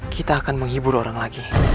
kita akan menghibur orang lagi